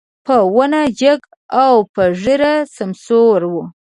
په ونه جګ او په ږيره سمسور و.